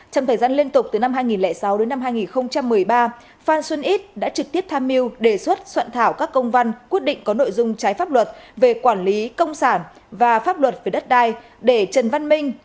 trong thời gian liên tục từ năm hai nghìn sáu đến năm hai nghìn một mươi ba phan xuân ít đã trực tiếp tham mưu đề xuất soạn thảo các công văn quyết định có nội dung trái pháp luật về quản lý công sản và pháp luật về đất đai để trần văn minh